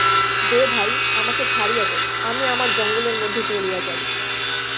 দে ভাই, আমাকে ছাড়িয়া দে, আমি আমার জঙ্গলের মধ্যে চলিয়া যাই।